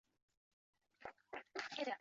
福建汀州会馆位于前门外。